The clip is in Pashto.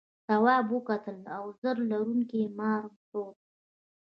تواب وکتل وزر لرونکي مار پروت و.